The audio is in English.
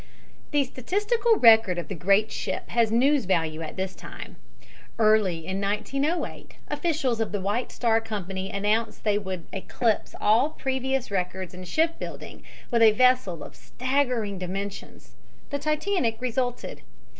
THE statistical record of the great ship has news value at this time. Early in 1908 officials of the White Star Company announced that they would eclipse all previous records in shipbuilding with a vessel of staggering dimensions. The Titanic resulted.